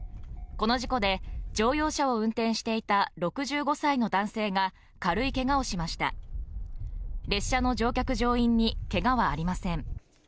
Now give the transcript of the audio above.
この事故で乗用車を運転していた６５歳の男性が軽いけがをしました列車の乗客乗員にけがはありません